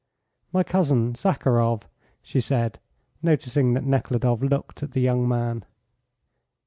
"My cousin, Zakharov," she said, noticing that Nekhludoff looked at the young man.